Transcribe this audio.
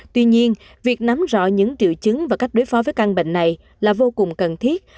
tuy nhiên việc nắm rõ những triệu chứng và cách đối phó với căn bệnh này là vô cùng cần thiết